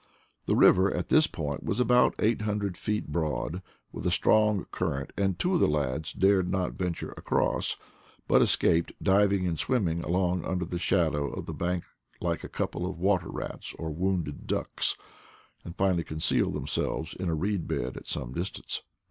The river at this point was about eight hundred feet broad, with a strong current, and two of the lads dared not venture across, but escaped, diving and swimming along under the shadow of the bank like a couple of water rats or wounded ducks, and finally concealed themselves in a reed bed at some distance.